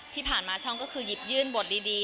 ที่ผ่านมาช่องคือหยืนบทดี